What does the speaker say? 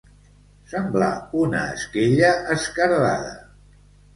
Semblar una esquella esquerdada.